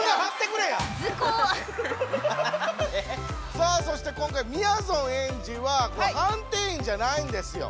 さあそして今回みやぞんエンジは判定員じゃないんですよ。